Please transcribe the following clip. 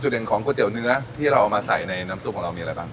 เด่นของก๋วยเตี๋ยเนื้อที่เราเอามาใส่ในน้ำซุปของเรามีอะไรบ้าง